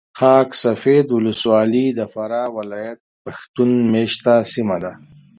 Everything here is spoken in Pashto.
خاک سفید ولسوالي د فراه ولایت پښتون مېشته سیمه ده .